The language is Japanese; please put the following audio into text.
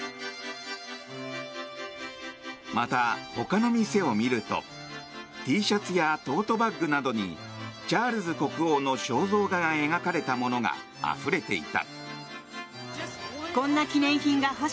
また、ほかの店を見るとＴシャツやトートバッグなどにチャールズ国王の肖像画が描かれたものがあふれていた。